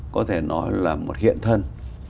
có thể nói là một hiện thân